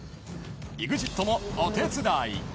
［ＥＸＩＴもお手伝い］